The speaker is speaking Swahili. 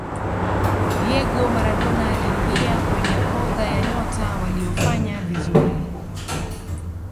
diego maradona aliingia kwenye orodha ya nyota waliofanya vizuri